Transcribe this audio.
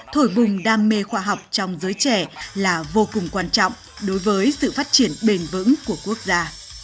thổi bùng đam mê khoa học trong giới trẻ là vô cùng quan trọng đối với sự phát triển bền vững của quốc gia